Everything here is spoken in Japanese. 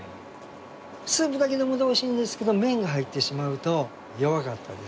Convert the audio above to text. スープだけ飲むとおいしいんですけど麺が入ってしまうと弱かったですね。